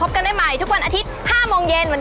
จริงยัดขึ้นโอ้ยจมูกแล้วอ่ะ